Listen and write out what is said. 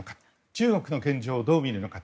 中国の現状をどう見るのか。